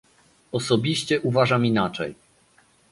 Osobiście uważam inaczej